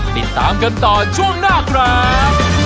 ติดตามกันต่อช่วงหน้าครับ